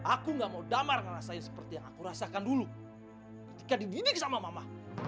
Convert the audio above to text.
aku gak mau damar ngerasain seperti yang aku rasakan dulu ketika dididik sama mama